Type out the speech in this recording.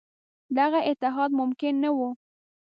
دغه اتحاد ممکن نه وو.